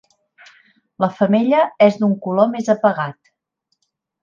La femella és d'un color més apagat.